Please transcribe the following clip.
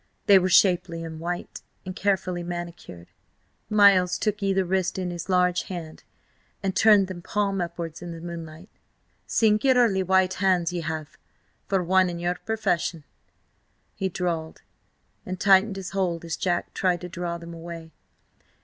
They were shapely and white, and carefully manicured. Miles took either wrist in his large hands and turned them palm upwards in the moonlight. "Singularly white hands ye have, for one in your profession," he drawled, and tightened his hold as Jack tried to draw them away.